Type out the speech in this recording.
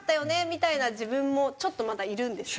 みたいな自分もちょっとまだいるんです。